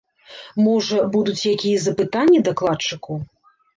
Можа, будуць якія запытанні дакладчыку?